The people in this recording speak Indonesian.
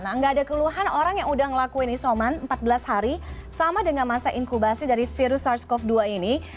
nah nggak ada keluhan orang yang udah ngelakuin isoman empat belas hari sama dengan masa inkubasi dari virus sars cov dua ini